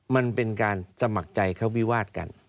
มันเป็นการสมัครใจเข้าวิวาดกัน